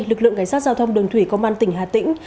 lực lượng cảnh sát giao thông đường thủy công an tỉnh hà tĩnh